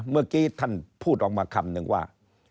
เมื่อกี้ท่านพูดออกมาคำนึงว่า